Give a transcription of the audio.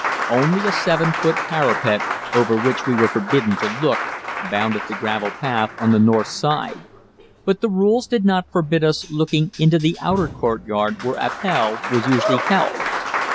Only a 7 foot parapet, over which we were forbidden to look, bounded the gravel path on the north side; but the rules did not forbid us looking into the outer courtyard, where Appell was usually held.